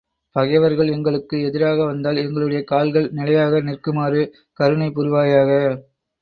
பகைவர்கள் எங்களுக்கு எதிராக வந்தால், எங்களுடைய கால்கள் நிலையாக நிற்குமாறு கருணை புரிவாயாக.